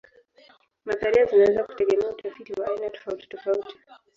Nadharia zinaweza kutegemea utafiti wa aina tofautitofauti.